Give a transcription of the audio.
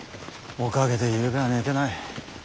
おかげでゆうべは寝てない。